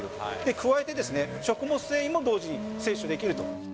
加えて、食物繊維も同時に摂取できると。